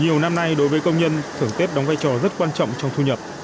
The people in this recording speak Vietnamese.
nhiều năm nay đối với công nhân thưởng tết đóng vai trò rất quan trọng trong thu nhập